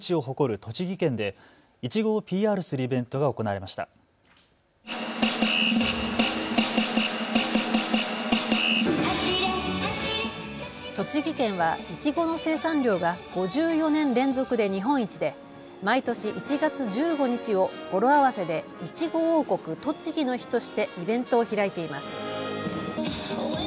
栃木県はいちごの生産量が５４年連続で日本一で毎年１月１５日を語呂合わせでいちご王国・栃木の日としてイベントを開いています。